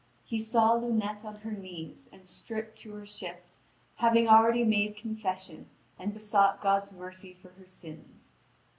He saw Lunete on her knees and stripped to her shift, having already made confession, and besought God's mercy for her sins.